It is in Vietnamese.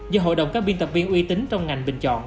do hội đồng các biên tập viên uy tín trong ngành bình chọn